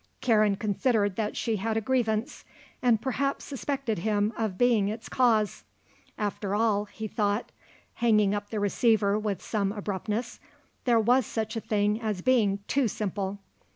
Karen considered that she had a grievance and perhaps suspected him of being its cause. After all, he thought, hanging up the receiver with some abruptness, there was such a thing as being too simple.